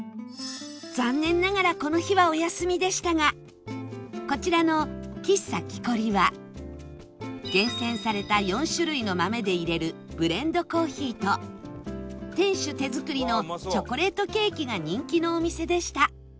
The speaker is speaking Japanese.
残念ながらこの日はお休みでしたがこちらの喫茶木香里は厳選された４種類の豆でいれるブレンドコーヒーと店主手作りのチョコレートケーキが人気のお店でした